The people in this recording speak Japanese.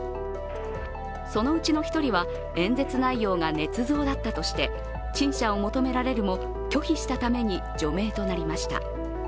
そのうちの１人は演説内容がねつ造だったとして陳謝を求められるも拒否したために、除名となりました。